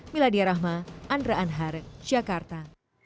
miladia rahma andra anhar jakarta